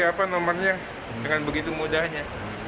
apa nomornya dengan begitu mudahnya